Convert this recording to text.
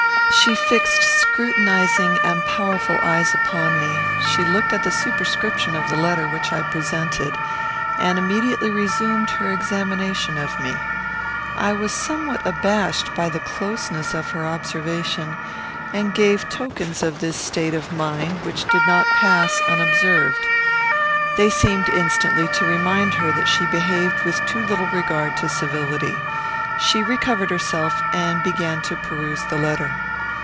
She fixed scrutinizing and powerful eyes upon me. She looked at the superscription of the letter which I presented, and immediately resumed her examination of me. I was somewhat abashed by the closeness of her observation, and gave tokens of this state of mind which did not pass unobserved. They seemed instantly to remind her that she behaved with too little regard to civility. She recovered herself and began to peruse the letter.